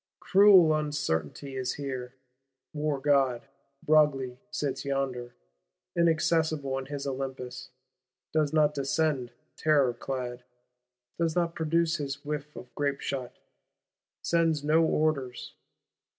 Cruel uncertainty is here: war god Broglie sits yonder, inaccessible in his Olympus; does not descend terror clad, does not produce his whiff of grapeshot; sends no orders.